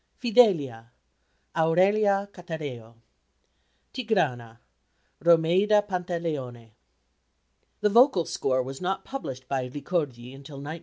Fidelia AURELIA CATAREO. Tigrana ROMEIDA PANTALEONE. The vocal score was not published by Ricordi until 1905.